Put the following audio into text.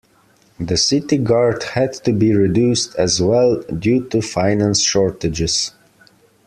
The city guard had to be reduced as well due to finance shortages.